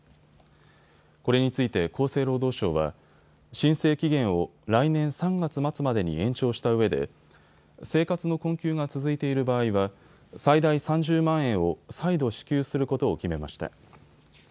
これについて厚生労働省は申請期限を来年３月末までに延長したうえで生活の困窮が続いている場合は最大３０万円を再度支給することを決めました。